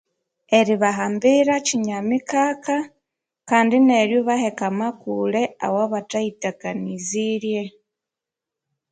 Eribahambira kinyamikaka kandi ibaheka amakulhe awabathayithakanizirye